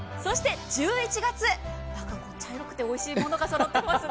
１１月茶色くておいしいものが揃ってますね。